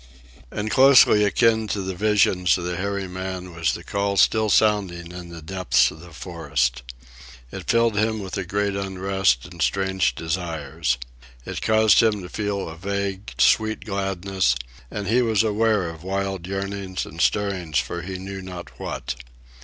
And closely akin to the visions of the hairy man was the call still sounding in the depths of the forest. It filled him with a great unrest and strange desires. It caused him to feel a vague, sweet gladness, and he was aware of wild yearnings and stirrings for he knew not what.